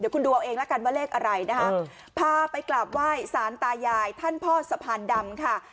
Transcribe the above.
คุณดูเอาเองแล้วกันว่าเลขอะไรนะคะพาไปกราบไหว้สารตายายท่านพ่อสะพานดำค่ะ